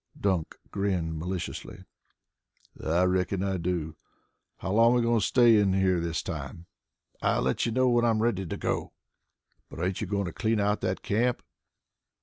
Dunk grinned maliciously. "I reckon I do. How long we going to stay in here this time?" "I'll let you know when I am ready to go." "But ain't you going to clean out that camp?"